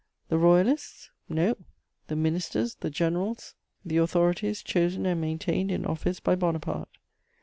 The Royalists? No: the ministers, the generals, the authorities chosen and maintained in office by Bonaparte.